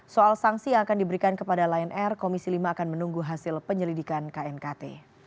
soal sanksi yang akan diberikan kepada lion air komisi lima akan menunggu hasil penyelidikan knkt